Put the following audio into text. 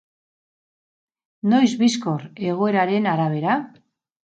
Noiz bizkor, egoeraren arabera?